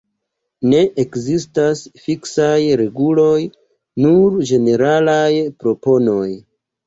Ne ekzistas fiksitaj reguloj, nur ĝeneralaj proponoj.